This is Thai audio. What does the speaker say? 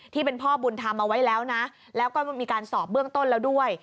ที่เป็นพ่อบุญธรรมเอาไว้แล้วนะแล้วก็มีการสอบเบื้องต้นแล้วด้วย